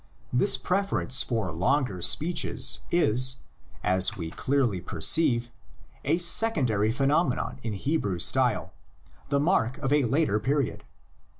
This preference for longer speeches is, as we clearly perceive, a second ary phenomenon in Hebrew style, the mark of a later period.